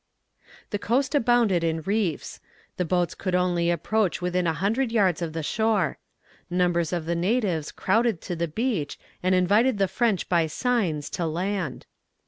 The coast abounded in reefs; the boats could only approach within a hundred yards of the shore. Numbers of the natives crowded to the beach, and invited the French by signs to land.